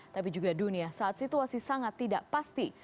tapi juga dunia saat situasi sangat tidak pasti